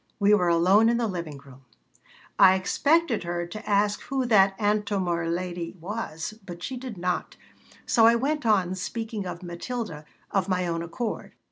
We were alone in the living room I expected her to ask who that Antomir lady was, but she did not, so I went on speaking of Matilda of my own accord.